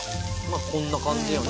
こんな感じよね。